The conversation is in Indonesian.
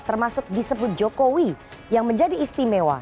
termasuk disebut jokowi yang menjadi istimewa